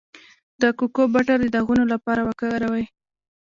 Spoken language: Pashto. د کوکو بټر د داغونو لپاره وکاروئ